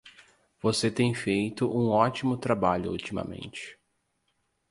Você tem feito um ótimo trabalho ultimamente.